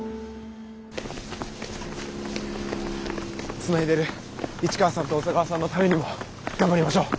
つないでる市川さんと小佐川さんのためにも頑張りましょう！